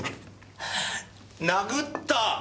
殴った！